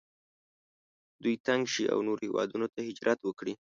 دوی تنګ شي او نورو هیوادونو ته هجرت وکړي.